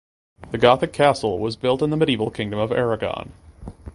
The gothic castle was built in the medieval Kingdom of Aragon.